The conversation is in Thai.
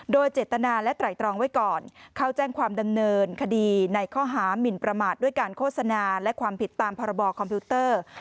โดยเจตนาและไตรตรองไว้ก่อนเข้าแจ้งความดำเนินคดีในข้อหามินประมาทด้วยการโฆษณาและความผิดตามพรบคอมพิวเตอร์